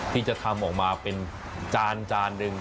ที่จะทำออกมาเป็นจานหนึ่ง